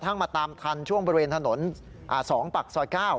กระทั่งมาตามทันช่วงบริเวณถนน๒ปักซอย๙